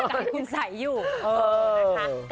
การคุณใสอยู่นะคะ